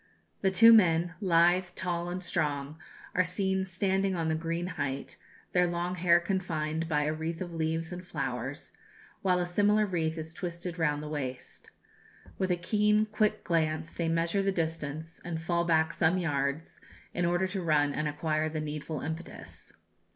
The two men lithe, tall, and strong are seen standing on the green height, their long hair confined by a wreath of leaves and flowers, while a similar wreath is twisted round the waist. With a keen, quick glance they measure the distance, and fall back some yards, in order to run and acquire the needful impetus.